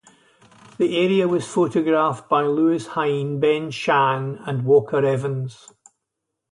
The area was photographed by Lewis Hine, Ben Shahn and Walker Evans.